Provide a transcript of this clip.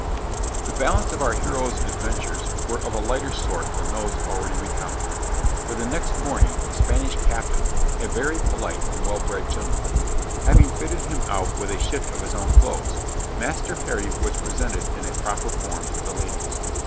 V The balance of our hero's adventures were of a lighter sort than those already recounted, for the next morning the Spanish captain (a very polite and well bred gentleman) having fitted him out with a shift of his own clothes, Master Harry was presented in a proper form to the ladies.